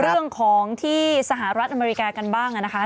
เรื่องของที่สหรัฐอเมริกากันบ้างนะคะ